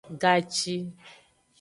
Gaci.